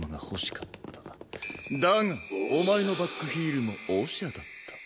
だがお前のバックヒールもオシャだった。